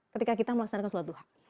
ketika kita melaksanakan sholat duha